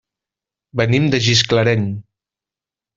Venim de Gisclareny.